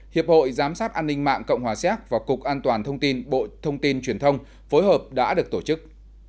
hiệp hội giám sát an ninh mạng cộng hòa xéc và cục an toàn thông tin bộ thông tin truyền thông phối hợp đã được tổ chức